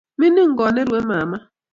Mining kot nerue mama